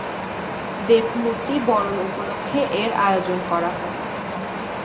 দেবমূর্তি বরণ উপলক্ষে এর আয়োজন করা হয়।